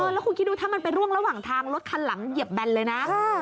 แล้วคุณคิดดูถ้ามันไปร่วงระหว่างทางรถคันหลังเหยียบแบนเลยนะ